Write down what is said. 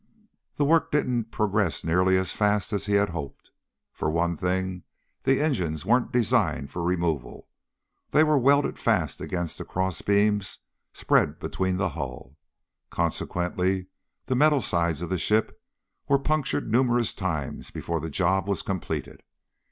The work didn't progress nearly as fast as he had hoped. For one thing, the engines weren't designed for removal. They were welded fast against cross beams spread between the hull. Consequently, the metal sides of the ship were punctured numerous times before the job was completed.